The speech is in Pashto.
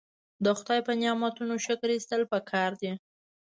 د خدای په نعمتونو شکر ایستل پکار دي.